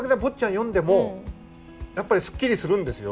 読んでもやっぱりスッキリするんですよ。